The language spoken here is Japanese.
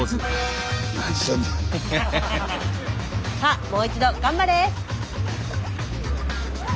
さあもう一度頑張れ！